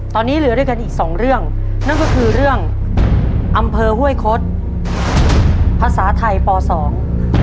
ตอนนี้เหลือด้วยกันอีกสองเรื่องนั่นก็คือเรื่องอำเภอห้วยคดภาษาไทยปสอง